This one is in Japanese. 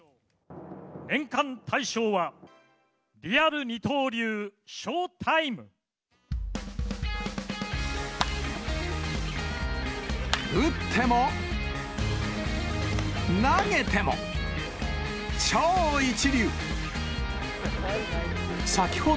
年間対象は、リアル二刀流、ショータイム。打っても、投げても、超一流。